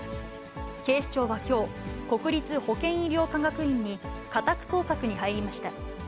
警視庁はきょう、国立保健医療科学院に家宅捜索に入りました。